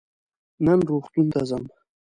نن روغتون ته ځم.